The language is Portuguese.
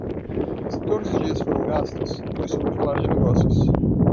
Se todos os dias foram gastos, foi sobre falar de negócios.